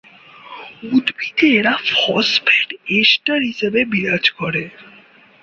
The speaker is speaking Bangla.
উদ্ভিদে এরা ফসফেট এস্টার হিসেবে বিরাজ করে।